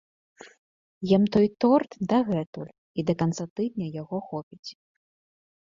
Ем той торт дагэтуль і да канца тыдня яго хопіць.